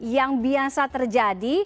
yang biasa terjadi